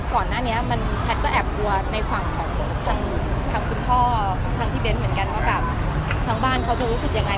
ก่อนหน้านี้มันแพทย์ก็แอบกลัวในฝั่งของทางคุณพ่อทางพี่เบ้นเหมือนกันว่าแบบทางบ้านเขาจะรู้สึกยังไง